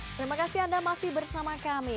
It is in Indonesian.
terima kasih anda masih bersama kami